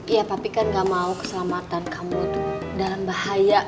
iya tapi kan gak mau keselamatan kamu tuh dalam bahaya